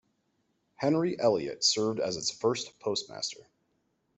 Henry Elliott served as its first Postmaster.